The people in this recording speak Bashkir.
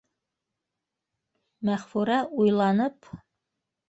Мәғфүрә уйланып: